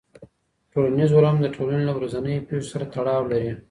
ټولنیز علوم د ټولني له ورځنیو پېښو سره تړاو لري.